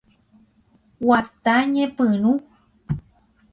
Guata ñepyrũ.